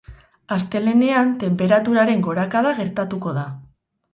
Astelehenean tenperaturaren gorakada gertatuko da.